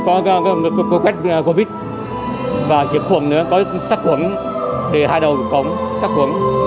có cái quét covid và kiếp khuẩn nữa có sát cuống để hai đầu cổng sát cuống